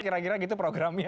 kira kira gitu programnya